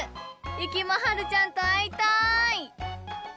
ゆきもはるちゃんとあいたい！